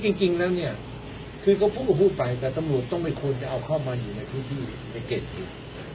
ใช่คือจริงแล้วเนี่ยคือก็พูดไปแต่ตำรวจต้องไม่ควรจะเอาเข้ามาอยู่ในที่ที่มันเกิดอยู่